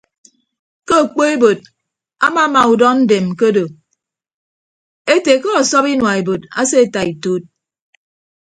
Ke okpoebod amama udọndem ke odo ete ke ọsọp inua ebod aseeta ituud.